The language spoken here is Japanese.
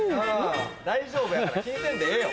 大丈夫やから気にせんでええよ。